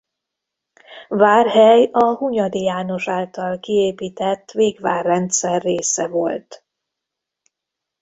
Várhely a Hunyadi János által kiépített végvárrendszer része volt.